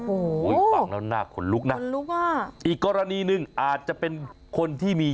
โอ้โหฟังแล้วน่าขนลุกนะขนลุกอ่ะอีกกรณีหนึ่งอาจจะเป็นคนที่มี